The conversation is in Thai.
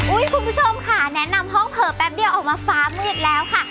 คุณผู้ชมค่ะแนะนำห้องเผลอแป๊บเดียวออกมาฟ้ามืดแล้วค่ะ